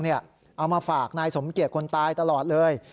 เอามาฝากนายสมเกียจคนตายตลอดเลย